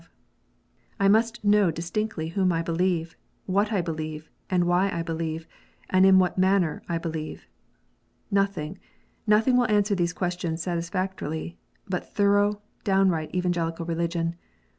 I must know distinctly whom I believe, what I believe, and why I believe, and in what manner I believe. Nothing, nothing will answer these questions satisfactorily, but thorough, downright Evan gelical Keligion.